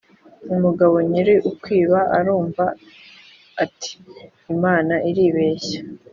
Umugabo nyiri ukwiba arumva, ati:Imana iribeshya